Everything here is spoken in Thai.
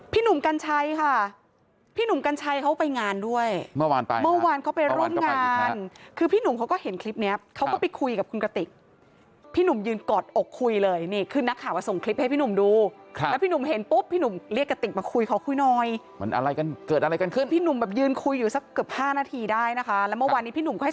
เมื่อวานไปเมื่อวานเขาไปโรงงานคือพี่หนุ่มเขาก็เห็นคลิปนี้เขาก็ไปคุยกับคุณกะติกพี่หนุ่มยืนกอดอกคุยเลยนี่ขึ้นนักข่าวว่าส่งคลิปให้พี่หนุ่มดูแล้วพี่หนุ่มเห็นปุ๊บพี่หนุ่มเรียกกะติกมาคุยเขาคุยหน่อยเหมือนเกิดอะไรกันขึ้นพี่หนุ่มแบบยืนคุยอยู่สักเกือบ๕นาทีได้นะคะแล้วเมื่อวานนี้พี่หนุ่มก็